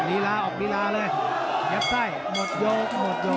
อีกแล้วออกรีลาเลยยับใส่หมดโยค